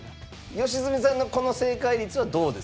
良純さんのこの正解率はどうですか？